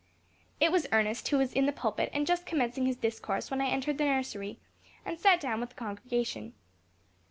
It was Ernest who was in the pulpit and just commencing his discourse when I entered the nursery, and sat down with the congregation.